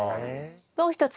もう一つ。